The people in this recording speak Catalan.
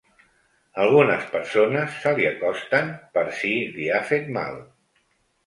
Algunes persones se li acosten per si li ha fet mal.